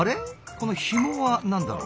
このひもは何だろう？